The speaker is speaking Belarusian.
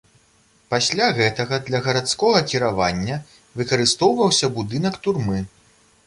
Пасля гэтага для гарадскога кіравання выкарыстоўваўся будынак турмы.